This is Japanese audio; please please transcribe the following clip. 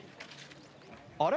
あれ？